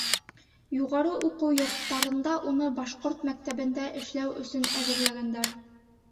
Юғары уҡыу йорттарында уны башҡорт мәктәбендә эшләү өсөн әҙерләгәндәр.